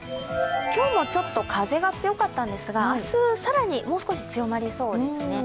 今日もちょっと風が強かったんですが、明日、さらにもう少し強まりそうですね。